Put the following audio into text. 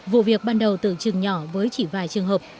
vụ việc ban đầu từ chừng nhỏ với chỉ vài trường hợp